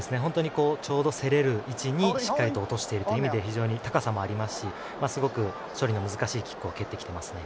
ちょうど競れる位置にしっかりと落としているという意味で高さもありますしすごく処理の難しいキックを蹴ってきていますね。